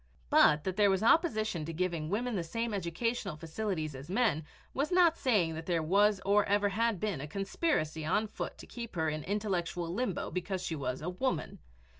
But that there was opposition to giving women the same educational facilities as men was not saying that there was or ever had been a conspiracy on foot to keep her in intellectual limbo because she was a woman.